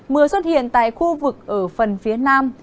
mưa xuất hiện tại khu vực ở phần phía nam